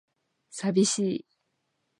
寂しい